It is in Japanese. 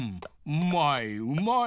うまいうまい。